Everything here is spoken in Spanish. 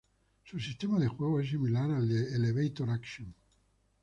Su sistema de juego es similar al de "Elevator Action".